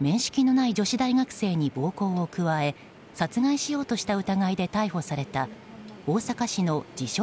面識のない女子大学生に暴行を加え殺害しようとした疑いで逮捕された大阪市の自称